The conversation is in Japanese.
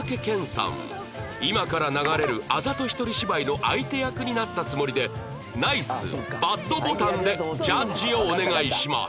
今から流れるあざと一人芝居の相手役になったつもりで ＮＩＣＥＢＡＤ ボタンでジャッジをお願いします